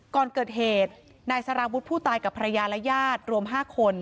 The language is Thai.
ก่อนเกิดเหตุนายสารวุฒิผู้ตายกับภรรยาและญาติรวม๕คน